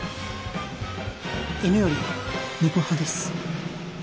犬より猫派です